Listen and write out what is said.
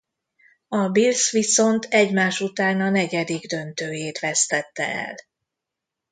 A Bills viszont egymás után a negyedik döntőjét vesztette el.